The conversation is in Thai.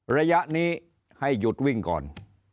ระยะนี้ให้หยุดวิ่งก่อน